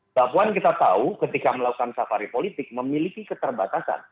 mbak puan kita tahu ketika melakukan safari politik memiliki keterbatasan